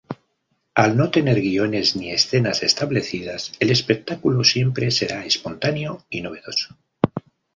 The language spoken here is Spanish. Al no tener guiones ni escenas establecidas el espectáculo siempre será espontáneo y novedoso.